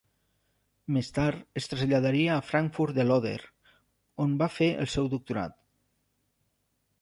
Més tard es traslladaria a Frankfurt de l'Oder, on va fer el seu doctorat.